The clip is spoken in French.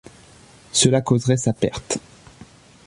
Cela causerait sa perte.